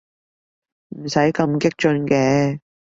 唔使咁激進嘅